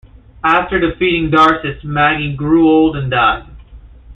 After defeating Darces, Magi grew old and died.